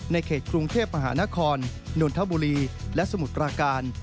เขตกรุงเทพมหานครนนทบุรีและสมุทรปราการ